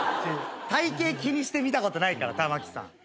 体形気にして見たことないから玉置さん。